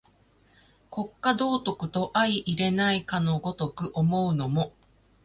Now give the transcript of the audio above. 国家道徳と相容れないかの如く思うのも、